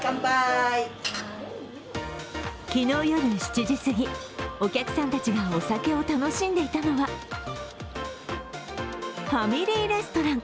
昨日夜７時すぎお客さんたちがお酒を楽しんでいたのはファミリーレストラン。